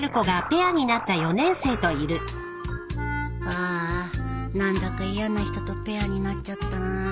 あーあ何だか嫌な人とペアになっちゃったな